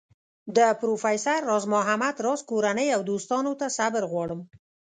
د پروفیسر راز محمد راز کورنۍ او دوستانو ته صبر غواړم.